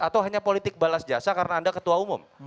atau hanya politik balas jasa karena anda ketua umum